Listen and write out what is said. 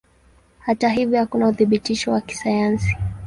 Hata hivyo hakuna uthibitisho wa kisayansi.